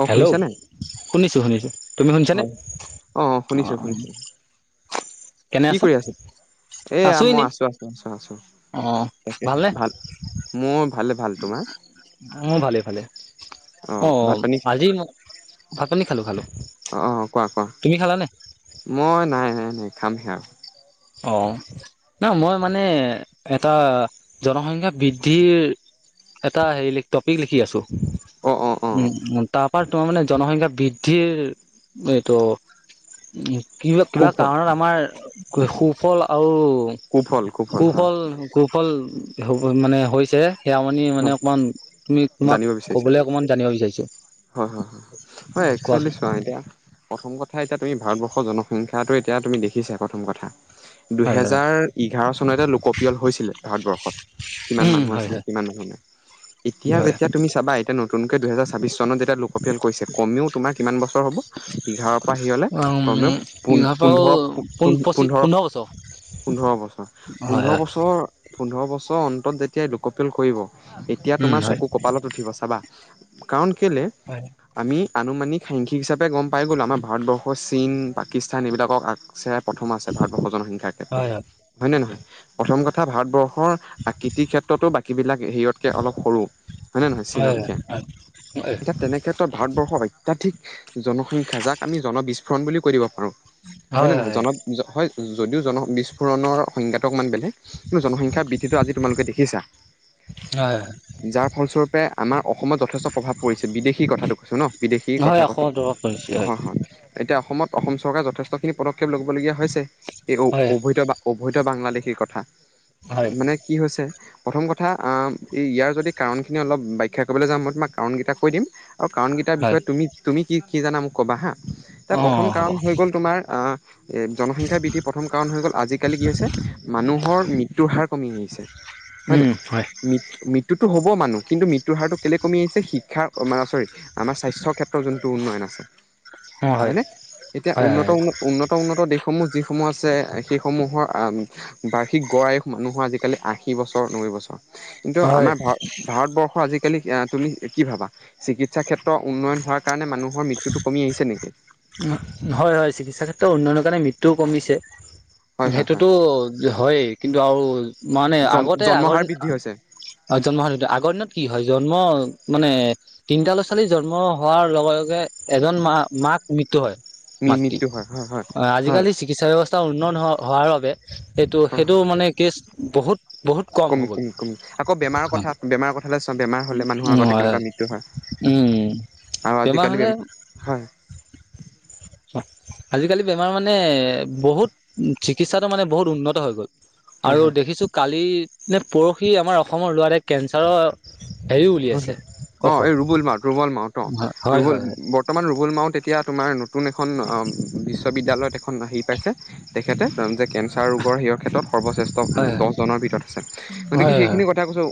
অ hello শুনিছানে শুনিছোঁ, শুনিছোঁ। তুমি শুনিছানে হয় অ', অ', কি কৰি আছা এয়া মই আছো - আছো - আছো - আছো। অঁ তাকে হে ভাল মোৰ ভালে ভাল তোমাৰ উম, ভালে ভালে ভাত অ', পানী আজি মোক ভাত পানী খালো খালো। অ অ কোৱা কোৱা তুমি খালা নে? মই নাই- নাই - নাই খামহে আৰু। অ', না মই মানে এটা জনসংখ্যা বৃদ্ধিৰ এটা হেৰি টপিক লিখি আছোঁ অ অ অ উম, [unintelligible] [unintelligible] তোমাৰ মানে জনসংখ্যা বৃদ্ধিৰ এইটো উম, কিবা কিবা সুফল কাৰণত আমাৰ সুফল আৰু কুফল হয় কুফল কুফল হব মানে হৈছে। সেয়া মানে মানে হয় অকণমান তুমি তোমাক জানিব বিচাৰিছে ক'বলৈ অকণমান জানিব বিচাৰিছোঁ। হয়, হয়, হয় একচ্ছোৱেলি চোৱা এতিয়া প্ৰথম কথা এতিয়া তুমি ভাৰতবৰ্ষৰ জনসংখ্যাটো এতিয়া তুমি দেখিছা প্ৰথম কথা। হয় হয় দুইহেজাৰ ইঘাৰ' চনতে লোকপিয়ল হৈছিলে ভাৰতবৰ্ষৰ কিমান উম মানুহ হয় আছিলে, কিমান মানুহ নাই হয় এতিয়া হয় যেতিয়া তুমি চাবা এতিয়া ন নতুনকে দুইহেজাৰ ছাবিছ চনত যেতিয়া লোকপ্ৰয়ল কৰিছে। কমেওঁ তোমাৰ কিমান বছৰ হ'ব ইঘাৰৰ পৰা সিৰিয়লৈ উম কমেও পোন্ধৰ পঁচিচ পোন্ধৰ বছৰ। পোন্ধৰ বছৰ, হয় পোন্ধৰ হয় বছৰ, পোন্ধৰ বছৰ বছৰ অন্তত যেতিয়াই লোকপিয়ল কৰিব। তেতিয়া উম তোমাৰ হয় চকু কপালত উঠিব চাবা। কাৰণ কেলে হয় আমি আনুমানিক সাংখ্যিক হিচাপে গম পাই গ'লো। আমাৰ ভাৰতবৰ্ষ, চীন, পাকিস্তান এইবিলাকক আচে প্ৰথম আছে ভাৰতবৰ্ষ জনসংখ্যাৰ ক্ষেত্ৰত। হয় হয় হয় নে নহয়? প্ৰথম কথা ভাৰতবৰ্ষ আকৃতিৰ ক্ষেত্ৰতো বাকী বিলাক হেৰিয়তকে অলপ সৰু। হয়নে নহয় চীনতকে হয়, হয় এতিয়া তেনে ক্ষেত্ৰত ভাৰতবৰ্ষৰ অত্যাধিক জনসংখ্যা যাক আমি জন বিস্ফোৰণ বুলি কৈ দিব পাৰো‍ঁ। হয়, নে নহয় জন হয় যদিও জন বিস্ফোৰণৰ সংজ্ঞাটো অকমান বেলেগ। কিন্তু জনসংখ্যাৰ বৃদ্ধিটো আজি তোমালোকে দেখিছা। যাৰ ফলস্বৰূপে আমাৰ অসমত যথেষ্ট প্ৰভাৱ পৰিছে বিদেশী কথাটো, কৈছোঁ ন বিদেশী হয় কথা এশ ক টকা কৰিছে হয়-হয়। এতিয়া অসমত অসম চৰকাৰে যথেষ্ট খিনি পদক্ষেপ ল'বলগীয়া হৈছে। এই হয় হয় অবৈধা বা অবৈধ বাংলাদেশীৰ কথা, হয় মানে কি হৈছে প্ৰথম কথা ইয়াৰ যদি কাৰণখিনি অলপ ব্যাখ্যা কৰিবলৈ যাওঁ, মই তোমাক কাৰণকেইটা কৈ দিম, আৰু কাৰণকেইটাৰ হয় বিষয়ে তুমি-তুমি কি কি জানা মোক ক'বা হা? অ তাৰ প্ৰথম হ'ব কাৰণ হৈ গ'ল তোমাৰ এ জনসংখ্যা বৃদ্ধিৰ প্ৰথম কাৰণ হৈ গ'ল আজিকালি কি হৈছে মানুহৰ মৃত্যুৰ হাৰ কমি আহিছে। হয় নে উম হয় নাই? মৃত্যুতটো হ'ব মানুহ, কিন্তু মৃত্যুৰ হাৰতটো কেলে কমি আহিছে শিক্ষাৰ আমাৰ চৰি আমাৰ স্বাস্থ্যৰ ক্ষেত্ৰত যোনটো উন্নয়ন আছে। হয় নে? এতিয়া হয় হয় উন্নত-উন্ন-উন্নত-উন্নত দেশসমূহ যি সমূহ আছে সেইসমূহৰ বাৰ্ষিক গঢ়ায় মানুহৰ আজিকালি আশী বছৰ নৈবৈ বছৰ। কিন্তু হয় আমাৰ ভাৰ ভাৰতবৰ্ষ আজিকালি তুমি কি ভাবা? চিকিৎসা ক্ষেত্ৰৰ উন্নয়ন হোৱাৰ কাৰণে মানুহ হয়-হয়। চিকিৎসা ক্ষেত্ৰত উন্নয়নৰ কাৰণে মৃত্যুও কমিছে, হয় হয় হয় সেইটোতো হয়। কিন্তু আৰু মানে জন আগতে আগৰ জন্মহাৰ বৃদ্ধি হৈছে আৰু জন্ম হ আগৰ দিনত কি হয়। জন্ম মানে তিনিটা ল'ৰা ছোৱালী জন্ম হোৱাৰ লগে-লগে এজন মা মাক মৃত্যু হয়, মাতৃ মৃ-মৃত্যু হয়। হয় হয় হয় আজিকালি চিকিৎসা ব্যৱস্থা উন্নয়ত হোৱাৰ বাবে, সেইটো সেইটো মানে কেছ বহুত বহুত কম হৈ গ'ল কমিল-কমিল-কমিল আকৌ বেমাৰৰ কথা বেমাৰৰ কথালৈ চাওঁ, বেমাৰ হ'লে মানুহৰ উম আগতে হয় কেনেকুৱা মৃত্যু হয়। উম। আৰু বেমাৰ আজিকালি, হলে হয়। অ আজিকালি বেমাৰ মানে, বহুত চিকিৎসাটো মানে বহুত উন্নত হৈ গ'ল। হয় আৰু হয় দেখিছোঁ কালি নে পৰখি আমাৰ অসমৰ লৰা এটাৰ কেঞ্চাৰৰ হেৰিও উলিয়াইছে অ ঔষধ এই ৰুবুল মাওত -ৰুবল- মাওত অ হয় ৰুবুল হয় বৰ্তমান ৰুবুল মাওত এতিয়া তোমাৰ নতুন এখন বিশ্ববিদ্যালয়ত এখন আহি পাইছে, তেখেতে যে কেঞ্চাৰ ৰোগৰ সে ক্ষেত্ৰত সৰ্বশ্ৰেষ্ঠ হয় দহজনৰ ভিতৰত আছে, গতিকে হয় হয় সেইখিনি কথা কৈছোঁ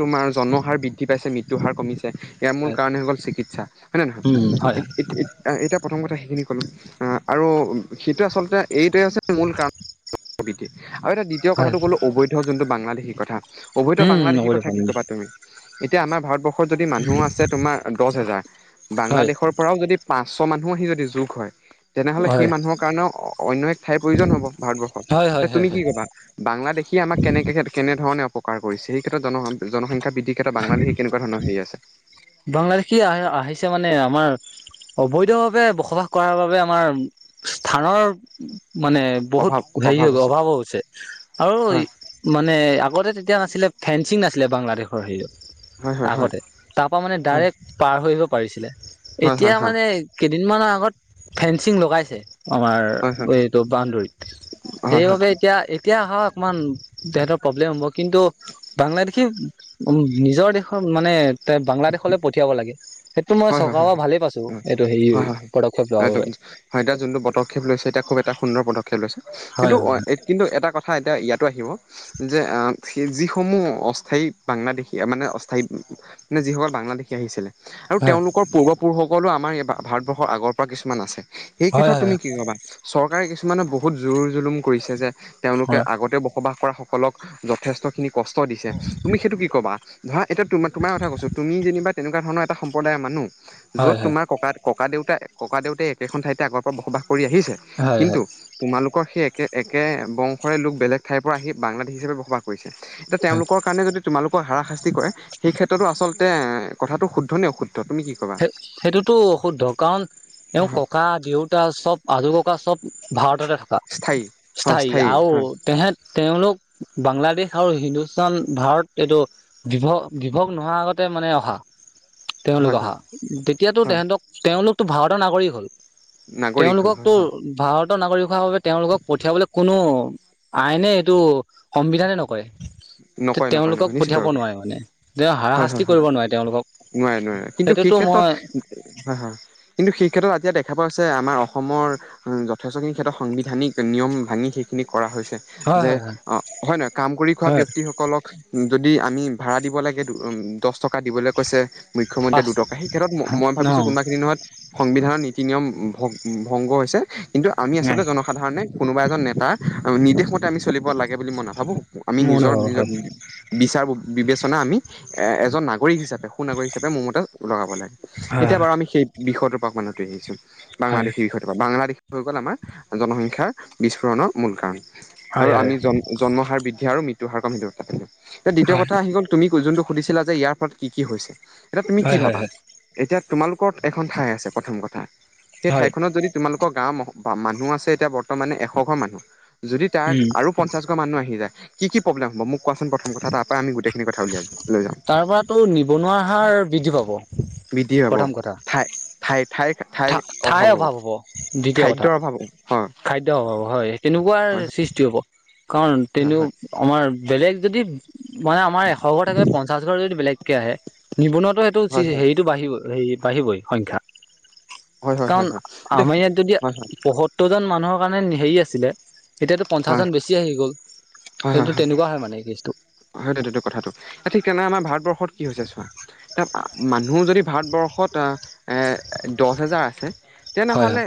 তোমাৰ জন্ম হাৰ বৃদ্ধি পাইছে মৃত্যুৰ কমিছে ইয়াৰ মূল হয় কাৰণ গল চিকিৎসা হয় নে নহয়? উম হয় এ -এ- এতিয়া প্ৰথম কথা সেইখিনি ক'লোঁ আৰু সেইটোৱেই আচলতে এইটোৱে হৈছে মূল কাৰণ াবতি [inaudible] আৰু এতিয়া দ্বিতীয় হয় কথাটো ক'লো অবৈধ যিটো বাংলাদেশী কথা। অবৈধ উম বাংলাদেশী নকৰিলো কথা পানী কি দি ক'বা তুমি? এতিয়া আমাৰ ভাৰতবৰ্ষত যদি মানুহ আছে তোমাৰ দচ হেজাৰ, হয় বাংলাদেশৰ পৰাও যদি পাঁচ ছ মানুহো আহি যদি যোগ হয়। তেনেহ'লে সেই হয় মানুহৰ কাৰণেও অন্য এক ঠাইৰ প্ৰয়োজন হ'ব। হয় হয় ভাৰতবৰ্ষত হয় তুমি হয় কি ক'বা? বাংলাদেশী আমাক কেনেকে কেনেধৰণে অপ কাৰ কৰিছে। সেই ক্ষেত্ৰত জনস -জনসংখ্যা বৃদ্ধি ক্ষেত্ৰত বাংলাদেশীৰ কেনেকুৱ ধৰণৰ হেৰি আছে? বাংলাদেশী আহ- আহিছে মানে আমাৰ অবৈধভাৱে বসবাস কৰাৰ বাবে আমাৰ স্থানৰ মানে বহুত অভাৱ হেৰি অভাৱ আছে অভাৱো হৈছে আৰু হয় মানে আগতে তেতিয়া নাছিলে ফেঞ্চিং নাছিলে বাংলাদেশৰ হেৰিৰত হয় হয় হয়। মানে হয় ডাইৰেক্ট পাৰ হৈ আহিব পাৰিছিলে হয় এতিয়া হয় মানে কেইদিনমানৰ আগত ফেঞ্চিং লগাইছে আমাৰ হয় হয় হয় হয় এইটো বান্দৰীত হয় হয় হয় হয় সেইবাবে এতিয়া এতিয়া হয় অকণমান তেহঁতৰ প্ৰব্লেম হ'ব কিন্তু বাংলাদেশি নিজৰ দেশত মানে বাংলাদেশলৈ পঠিয়াব লাগে। সেইটো মই চৰকাৰৰ পৰা হয় ভালেই পাইছোঁ, হয় এইটো হেৰি হয় হয় পদক্ষেপ লোৱা একদম বাবে। হয়। এতিয়া যোনটো পদক্ষেপ লৈছে এতিয়া খুব এটা সুন্দৰ পদক্ষেপ লৈছে। হয় কিন্তু হয় -কিন্তু এটা কথা এতিয়া ইয়াত আহিব। যে স যিসমূহ অস্থায়ী বাংলাদেশী মানে অস্থায়ী নে যিসকল বাংলাদেশী আহিছিলে। আৰু তেওঁলোকৰ পূৰ্বপুৰুষসকলো আমাৰ এই ভাৰতবৰ্ষৰ আগৰ পৰা কিছুমান আছে সেই হয় ক্ষেত্ৰত হয় তুমি হয় কি কবা? চৰকাৰে কিছুমানে বহুত জোৰ জুলুম কৰিছে যে তেওঁলোকে আগতে বসবাস কৰা সকলক যথেষ্ট খিনি কষ্ট দিছে। তুমি সেইটো কি কবা? ধৰা এতিয়া তোমা- তোমাৰ কথা কৈছো তুমি যেনিবা তেনেকুৱা ধৰণৰ এটা সম্পদায়ৰ মানুহ যত হয় হয় হয় তোমাৰ ককা ককা দেউতা- ককা দেউতাই একে খন ঠাইতে আগৰ পৰা বসবাস কৰি আহিছে হয় কিন্ত হয় তোমালোক সেই একে -একে বংশৰে লোক বেলেগ ঠাইৰ পৰা আহি বাংলাদেশী হিচাপে বসবাস কৰিছে এতিয়া হয়। তেওঁলোকৰ কাৰণে যদি তোমালোকৰ হাৰাশাস্তি কৰে সেই ক্ষেত্ৰতো আচলতে তে কথাটো শুদ্ধনে অশুদ্ধ? তুমি কি ক'বা? সে- সেইটোতো অশুদ্ধ কাৰণ এওঁ ককা দেউতা চব আজু ককা চব ভাৰততে থকা স্থায়ী হয় স্থায়ী আৰু হয় তেহেত -তেওঁলোক বাংলাদেশ আৰু হিন্দুস্তান ভাৰত এইটো বিভ- বিভগ নোহোৱাৰ আগতে মানে অহা তেওঁলোক হয় হয় অহা তেতিয়াতো হয় তেহেতক- তেওঁলোকতো ভাৰতৰ নাগৰিক হ'ল নাগৰিক হ'ল হয় তেওঁলোককতো হয় ভাৰত নাগৰিক হোৱা বাবে তেওঁলোকক পঠিয়াবলৈ কোনো আইনে এইটো সংবিধানে নকয়। উ [inaudible] তে- নকয় নকয় তেওঁলোকক নকয় নিশ্চিত পঠিয়াব ৰূপে নোৱাৰে মানে যে হয় হাৰাশাস্তি হয় হয় কৰিব নোৱাৰে তেওঁলোকক নোৱাৰে নোৱাৰে কিন্তু সেই সেইটোতো ক্ষেত্ৰত মই হয় হয় কিন্তু সেই ক্ষেত্ৰত এতিয়া দেখা পোৱা হৈছে আমাৰ অসমৰ যথেষ্টখিনি সিহঁতৰ সাংবিধানিক নিয়ম ভাঙি সেইখিনি কৰা হৈছে হয় যে হয় হয় অ হয় নহয় কাম কৰি খোৱা হয় ব্যক্ত লক যদি আমি ভাড়া দিব লাগে দহ টকা দিবলৈ কৈছে মুখ্যমন্ত্ৰীয়ে পাঁচ দুটকা সেই খেত্ৰত মই ন ভিবিছো কোনোবাখিনি নহত সংবিধানৰ নীতি নিয়ম ভ ভংগ হৈছে কিন্তু আমি আচলতে জনসাধাৰণে কোনোবা এজন নেতা নিৰ্দেশ মতে আমি চলিব লাগে বুলি মই নাভাবো আমি নিজ মনে হ নিজ- নিজৰ হয় বিচাৰ বিবেচনা আমি এ এজন নাগৰিক হিচাপে সুনাগৰিক হিচাপে মোৰ মতে লগাব লাগে হয় এতিয়া বাৰু আমি সেই বিষয়টো পৰা আমি আতৰি আহিছো হয় বাংলাদেশীৰ বিষয় থকা বাংলাদেশী হৈ গ'ল আমাৰ জনসংখ্যাৰ বিস্ফোৰণৰ মূল কাৰণ হয় আৰু হয় আমি জম জন্ম হাৰ বৃদ্ধি আৰু মৃত্যু হাৰ কমি গৈ থাকে এতিয়া দ্বিতীয় হয় কথা আহি গ'ল তুমি পয়োযনটো সুধিছিলা যে ইয়াৰ ফলত কি কি হৈছে এতিয়া তুমি কি হয় হয় ভাবা হয় এতিয়া তোমালোকৰ এখন ঠাই আছে প্ৰথম কথা সেই ঠাই হয় খনত যদি তোমালোক গাঁও মানুহ আছে এতিয়া বৰ্তমানে এশ ঘ মানুহ যদি তাত উম আৰু পঞ্চাশ ঘ মানুহ আহি যায় কি কি প্ৰব্লেম হব মোক কোৱাচোন প্ৰথম কথা এটা তাৰ পৰা আমি গোটেই তাৰ পৰাতো নিবনুৱা হাৰ বৃদ্ধি পাব বৃদ্ধি হব ঠাই ঠাইত থা থায়ে অভাৱ হ'ব দ্বিতীয় কথা খাদ্যৰ অভাৱ হয় খাদ্যয়ৰ অভাৱ হয় তেনো পোৱাৰ সৃষ্টি হ'ব কাৰণ হয় তেনে হয় আমাৰ বেলেগ যদি মানে আমাৰ এশ ঘৰ থাকে পঞ্চাশ ঘৰ যদি বেলেগকে আহে নিবনুৱা সেইটো হয় হয় হয় হেৰিতটো বাঢ়িব হেৰি বাঢ়িবই সংখ্যা হয় হয় হয় কাৰণ হয় দে আমাৰ ইয়াত যদি হয় হয় পয়সত্তৰজন মানুহক কাৰণে হেৰি আছিলে এতিয়াতো হয় পঞ্চাশজন বেছি আহি গ'ল হয় হয় সেইটো তেনেকুৱা হয় মানে কেছটো হয় দে কথাটো, এ ঠিক তেনেক আমাৰ ভাৰতবৰ্ষত কি হৈছে চোৱা এ মানুহ যদি ভাৰতবৰ্ষত আ, দশ হেজাৰ আছে হয় তেনেহ'লে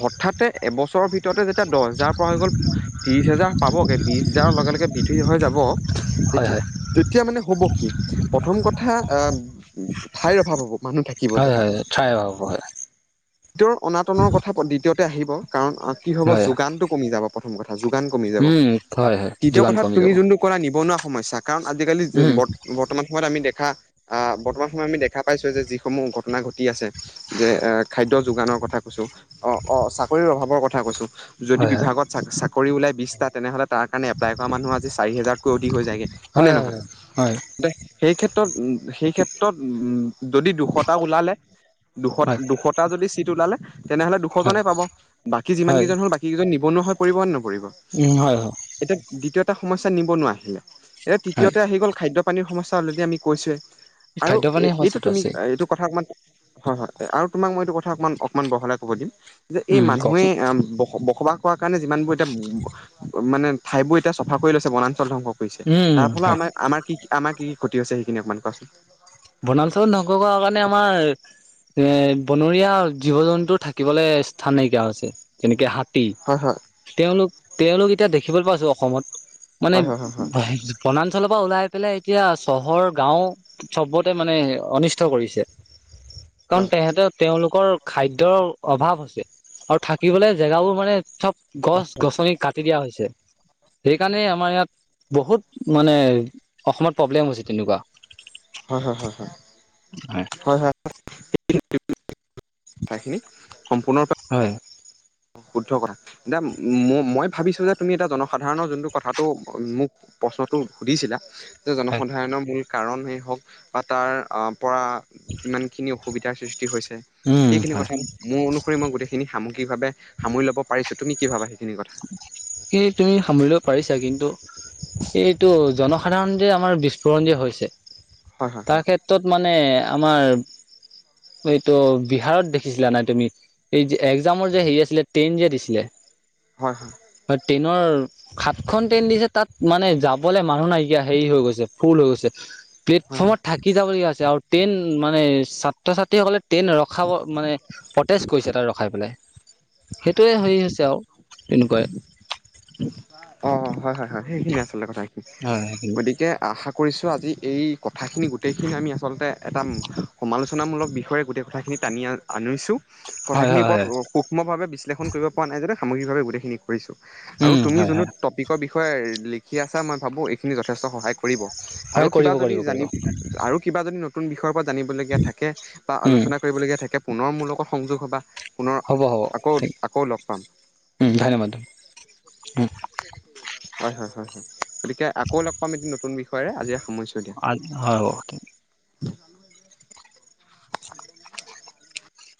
হঠাৎ এবছৰৰ ভিতৰতে যেতিয়া দশ হাজাৰ পৰা হৈ গ'ল, ত্ৰিশ হেজাৰ পাবগে বিশ হাজাৰৰ লগে লগে বিৃদ্ধি হৈ যাব হয় হয় তেতিয়া যেতিয়া মানে হ'ব কি প্ৰথম কথা আ, ঠাইৰ অভাৱ হ'ব ম মানুহ থাকিবলৈ। ঠাই অ', হয়, দ্বিতীয় অনাটনৰ কথা দ্বিতীয়তে আহিব, কাৰণ কি হব হয় হয় যোগানটো কমি যাব প্ৰথম কথা। যোগান কমি যাব উম হয় হয় তিত্বীয় যোগান কথাাত কমি তুমি যাব যোনটো কৰা নিবনুৱা সমস্যা কাৰণ আজিকালি উম বত বৰ্তমান সময়ত আমি দেখ আহ বৰ্তমান সময় আমি দেখা পাইছো যে যিসমূহ ঘটনা ঘটি আছে যে এ খাদ্য যোগানৰ কথা কৈছো অ অ চাকৰিৰ অভাৱৰ কথা কৈছো যদি হয় হয় বিভাগত চাক চাকৰি ওলাই বিশটা তেনেহলে তাৰ কাৰণে এপ্লাই কৰা মানুহ আজি চাৰি হোজাৰতকৈ অধিক হৈ যায়গৈ হয়নে হয় নহয়? হয় সেই ক্ষেত্ৰত সেই ক্ষেত্ৰত উ যদি দুশটা ওলালে দুশত হয় হয় দুশত দুটা যদি চিট ওলালে তেনেহ'লে হয় দুশজনেই পাব বাকী যিমান হয় কেইজন হ'ল বাকী কেইজন নিবনুৱা হৈ পৰিব নে নহ উম হয় হয় এতিয়া দ্বিতীয়টা সমস্যা নিবনুৱা, এতিয়া হয় তৃতীয়তে আহি গ'ল খাদ্য পানীৰ সমস্যা অলৰেডি আমি কৈছে আৰু খাদ্য এই পানীৰ এইটো সমস্যাটো তুমি আছে এইটো কথা অকণমান হয়, হয় আৰু তোমাক মই এইটো কথা অকমান অকমান বহলাই ক'ব দিম। যে, এই উম মানুহে কওকচোন অ', বস বসবাস পোৱা কাৰণে যিমান বোৰ এতিয়া মানে ঠাই বোৰ এতিয়া চাফা কৰি লৈছে বন ধ্বংস কৰিছে উম তাৰ ফলত হয় আমাৰ আমাৰ কি কি আমাৰ কি কি ক্ষতি হৈছে সেইখিনি অকমান কোৱাচোন। বনাঞ্চল নকবা কাৰণে আমাৰ এ বনৰীয়া জীৱ জন্তুৰ থাকিবলৈ স্থান নাইকিয়া হৈছে যেনেকে হাত তি হয় হয় তেওঁলোক তেওঁলোক এতিয়া দেখিবলৈ পাইছো অসমত মানে হয় হয় হয় বনাঞ্চলৰ পৰা উলাই পেলাই এতিয়া চহৰ গাঁও চবতে মানে অনিষ্ট কৰিছে কাৰণ হয় তেহেঁতে তেওঁলোকৰ খাদ্যৰ অভাৱ হৈছে আৰু থাকিবলৈ জেগাবোৰ মানে চব গছ গছনি কাটি দিয়া হৈছে। সেইকাৰণে আমাৰ ইয়াত বহুত মানে অসমত প্ৰব্লেম হৈছে তেনেকুৱা। হয়, হয়, হয়, হয়, [unintelligible] কথাখিনি সম্পূৰ্ণৰূপে হয় শুদ্ধ কথা, এতিয়া মই ভাবিছো যে তুমি এটা জনসাধাৰণৰ যোনটো কথাটো মোক প্ৰশ্নটো সুধিছিলা। যে হয় জনসাধাৰণৰ মূল কাৰণ হে হওক বা তাৰ আ, পৰা কিমান খিনি অসুবিধাৰ সৃষ্টি হৈছে উম সেইখিনি হয় কথা মোৰ অনুসৰি মই গোটেইখিনি সামগিকভাৱে সামৰি ল'ব পাৰিছোঁ তুমি কি ভাবা? সেইখিনি কথা এ তুমি সামৰিব পাৰিছা কিন্তু এইটো জনসাধাৰণ যে আমাৰ বিস্ফোৰণ যে হৈছে হয় হয় তাৰ ক্ষেত্ৰত মানে আমাৰ এইটো বিহাৰত দেখিছিলা নাই তুমি, এই যে একজামৰ যে হেৰি আছিলে টেইন যে দিছিলে। হয়, হয় নৰ সাতখন ট্ৰেইন দিছে তাত মানে যাবলে মানুহ নাইকিয়া হেৰি হৈ গৈছে ফুল হৈ গৈছে। হয় হয় প্লেটফৰ্মত হয় থাকি যাব লহিয়া হৈছে। আৰু ট্ৰেইন মানে ছাত্ৰ ছাত্ৰীসকলে ট্ৰেইন ৰখাব মানে প্ৰটেচ কৰিছে তাত ৰখাই পেলাই। সেইটোৱে হেৰি হৈছে আৰু তেনেকুৱাই। অ', অ', হয়, হয়, হয়, সেইখিনি আচলতে কথাখিনি হয় গতিকে আশা কৰিছোঁ আজি এই কথাখিনি গোটেইখিনি আমি আচলতে এটা সমালোচনামূলক বিষয়ে গোটেই কথাখিনি টানিয়াল আনিছোঁ হয় কথাখিনিৰ হয় ওপৰত হয় সূক্ষ্মভাৱে বিশ্লেষণ কৰিব পৰা নাই যে সামগ্ৰিকভাৱে গোটেইখিনি কৰিছোঁ। আৰু উম তুমি হয় হয় যোনটো টপিকৰ বিষয়ে লিখি আছা। মই ভাবোঁ এইখিনি যথেষ্ট সহায় কৰিব। হয় আৰু কিবা কৰিব যদি কৰিব কৰিব জানি আৰু কিবা যদি নতুন বিষয়ৰ পৰা জানিবলগীয়া থাকে, বা উম আলোচনা কৰিবলগীয়া থাকে পুনৰ মোৰ লগত সংযোগ হোবা। পুনৰ হ'ব হ'ব ঠিক আকৌ-আকৌ লগ পাম, উম ধন্যবাদ উম হয়-হয়-হয়-হয় গতিকে আকৌ লগ পাম এটি নতুন বিষয়েৰে আজি সামৰিছোঁ দিয়া আ হয়কে [unintelligible] [unintelligible]